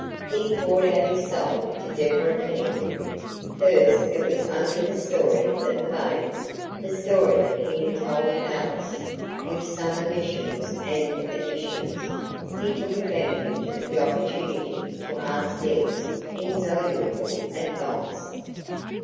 He poured out his soul to Deborah Pennycuick. First, it was only the story of the baby the story he had told Alice, with some omissions and additions. He took advantage of the opportunity to ask Deb's invaluable advice.